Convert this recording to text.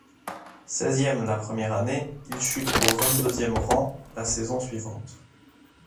Seizième la première année il chute au vingt-deuxième rang la saison suivante.